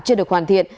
chưa được hoàn thiện